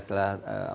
biasanya baru makan